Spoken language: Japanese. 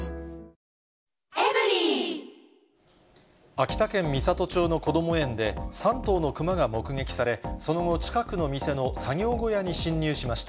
秋田県美郷町のこども園で、３頭のクマが目撃され、その後、近くの店の作業小屋に侵入しました。